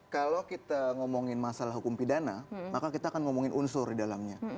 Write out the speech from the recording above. kalau kita ngomongin masalah hukum pidana maka kita akan ngomongin unsur di dalamnya